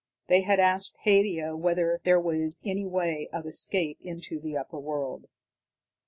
They had asked Haidia whether there was any way of escape into the upper world.